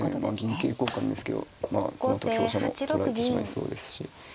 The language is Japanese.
銀桂交換ですけどそのあと香車も取られてしまいそうですし。